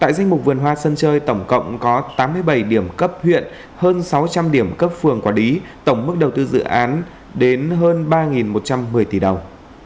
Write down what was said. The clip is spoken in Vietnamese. tại danh mục vườn hoa sân chơi tổng cộng có tám mươi bảy điểm cấp huyện hơn sáu trăm linh điểm cấp phường quản lý tổng mức đầu tư dự án đến hơn ba một trăm một mươi tỷ đồng